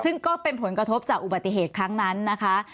ซึ่งก็เป็นผลกระทบจากอุบัติเหตุครั้งนั้นนะคะ